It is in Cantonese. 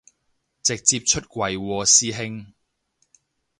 直接出櫃喎師兄